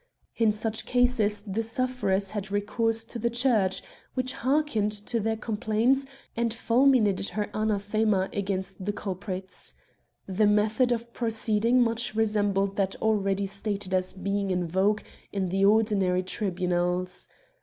In such cases the sufferers had recourse to the Church, which hearkened to their complaints and fulminated her anathema against the culprits. The method of proceeding much resembled that already stated as being in vogue in the ordinary tribunals.